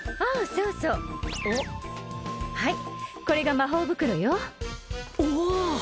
そうそうはいこれが魔法袋よおおっ